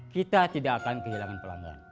kita tidak akan kehilangan pelanggan